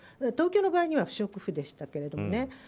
東京の場合は不織布でしたけどね。